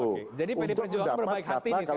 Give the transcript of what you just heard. oke jadi pdi perjuangan memperbaik hati nih sekarang